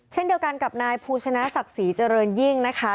เช่นเดียวกันกับนายภูชนะศักดิ์ศรีเจริญยิ่งนะคะ